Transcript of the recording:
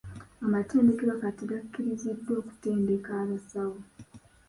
Amatendekero Kati gakkiriziddwa okutendeka abasawo.